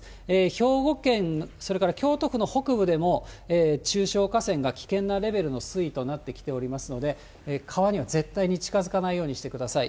兵庫県、それから京都府の北部でも、中小河川が危険なレベルの水位となってきておりますので、川には絶対に近づかないようにしてください。